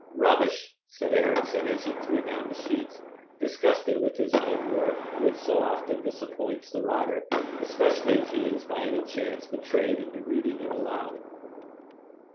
'Rubbish!' said Ericson, as he threw down the sheets, disgusted with his own work, which so often disappoints the writer, especially if he is by any chance betrayed into reading it aloud.